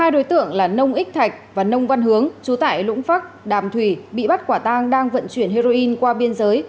hai đối tượng là nông ích thạch và nông văn hướng chú tải lũng phắc đàm thủy bị bắt quả tang đang vận chuyển heroin qua biên giới